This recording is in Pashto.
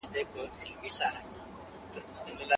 فکري سانسور به په بېلابېلو ټولنو کي په بشپړ ډول ختم سوی وي.